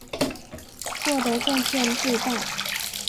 做的贡献最大。